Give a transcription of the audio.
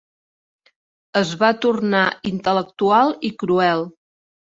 Es va tornar intel·lectual i cruel.